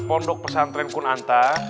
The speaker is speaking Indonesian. pondok pesantren kunanta